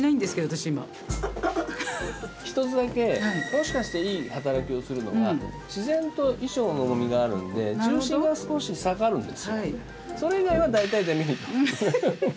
一つだけもしかしていい働きをするのが自然と衣装の重みがあるので重心が少し下がるんですよ。